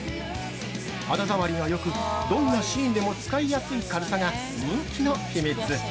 肌触りがよく、どんなシーンでも使いやすい軽さが人気の秘密！